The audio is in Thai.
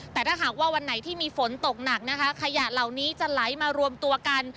แต่ถ้าหากว่าวันไหนที่มีฝนตกหนักนะคะขยะเหล่านี้จะไหลมารวมตัวกัน